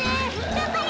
がんばれ！